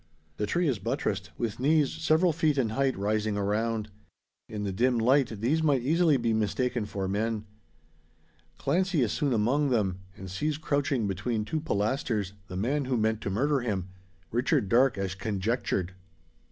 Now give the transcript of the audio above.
The tree is buttressed, with "knees" several feet in height rising around. In the dim light, these might easily be mistaken for men. Clancy is soon among them; and sees crouching between two pilasters, the man who meant to murder him Richard Darke as conjectured.